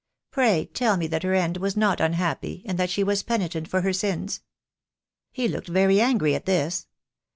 'Pray tell me that her end was not unhappy — and that she was penitent for her sins.' He looked very angry at this.